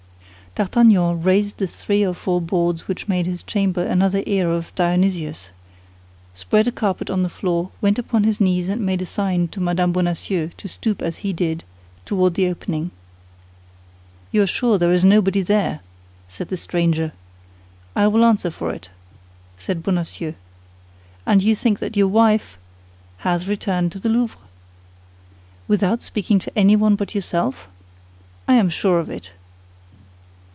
D'Artagnan raised the three or four boards which made his chamber another ear of Dionysius, spread a carpet on the floor, went upon his knees, and made a sign to Mme. Bonacieux to stoop as he did toward the opening. "You are sure there is nobody there?" said the stranger. "I will answer for it," said Bonacieux. "And you think that your wife—" "Has returned to the Louvre." "Without speaking to anyone but yourself?" "I am sure of it."